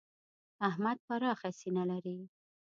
احمد پراخه سینه لري.